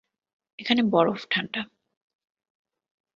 এখানে বরফ ঠান্ডা।